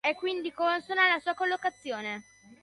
È quindi consona la sua collocazione.